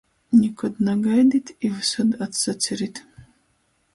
Nikod nagaidit i vysod atsacerit!